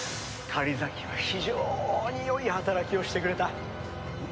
狩崎は非常に良い働きをしてくれた。